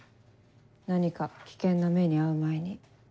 何か危険な目に遭う前に。